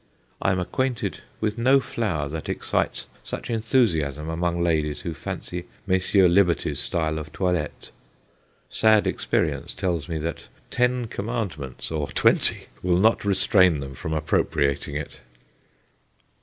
I am acquainted with no flower that excites such enthusiasm among ladies who fancy Messrs. Liberty's style of toilette; sad experience tells me that ten commandments or twenty will not restrain them from appropriating it.